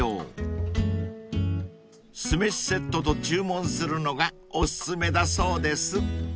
［酢飯セットと注文するのがお薦めだそうです］